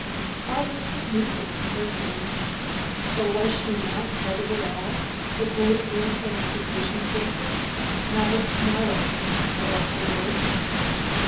All this was music to her ears, for was she not part of it all, the great air transportation system, not of tomorrow, but of today?